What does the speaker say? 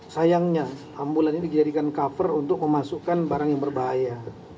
sayangnya ambulan ini dijadikan cover untuk memasukkan barang yang berbahaya